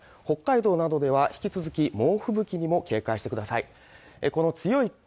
北海道などでは引き続き猛吹雪にも警戒してください